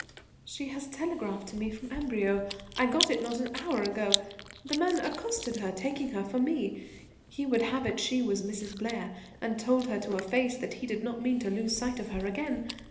"She has telegraphed to me from Amberieu; I got it not an hour ago. The man accosted her, taking her for me. He would have it she was Mrs. Blair, and told her to her face that he did not mean to lose sight of her again.